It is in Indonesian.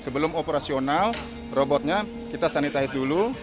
sebelum operasional robotnya kita sanitize dulu